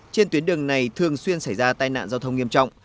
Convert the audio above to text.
trên tuyến đường này thường xuyên xảy ra tai nạn giao thông nghiêm trọng